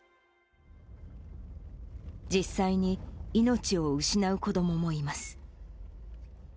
実際に命を失う子どももいます。